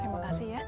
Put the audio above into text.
terima kasih ya